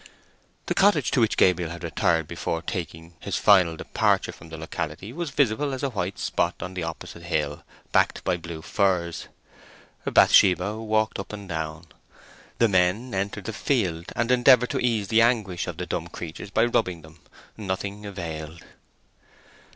The cottage to which Gabriel had retired before taking his final departure from the locality was visible as a white spot on the opposite hill, backed by blue firs. Bathsheba walked up and down. The men entered the field and endeavoured to ease the anguish of the dumb creatures by rubbing them. Nothing availed.